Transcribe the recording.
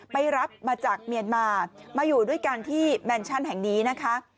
รับมาจากเมียนมามาอยู่ด้วยกันที่แมนชั่นแห่งนี้นะคะ